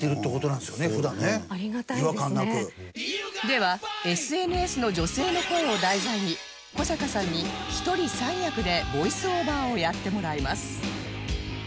では ＳＮＳ の女性の声を題材に小坂さんに一人三役でボイスオーバーをやってもらいます